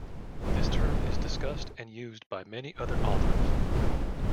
This term is discussed and used by many other authors.